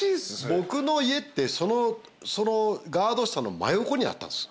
僕の家ってガード下の真横にあったんす。